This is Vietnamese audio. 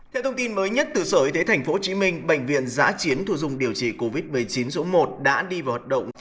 theo thông tin mới nhất từ sở y tế tp hcm bệnh viện giã chiến thu dung điều trị covid một mươi chín số một đã đi vào hoạt động